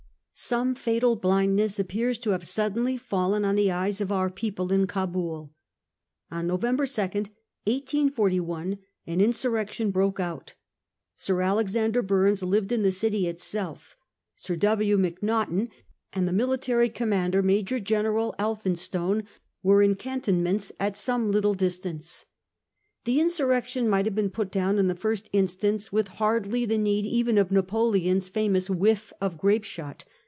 Some fatal blindness appears to have suddenly fallen on the eyes of our people in Cabul. On November 2, 1841, an insurrection broke out. Sir Alexander Bumes lived in the city itself; Sir W. Macnaghten and the 1841. MURDER OF ALEXANDER BURNES. 289 military commander, Major General Elphinstone, were in cantonments at some little distance. Tlie insur rection might have been put down in the first in stance with hardly the need even of Napoleon's famous 1 whiff of grapeshot.